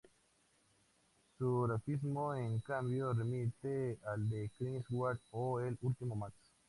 Su grafismo, en cambio, remite al de Chris Ware o el último Max.